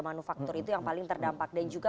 manufaktur itu yang paling terdampak dan juga